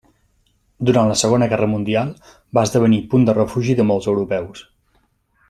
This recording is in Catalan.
Durant la Segona Guerra Mundial va esdevenir punt de refugi de molts europeus.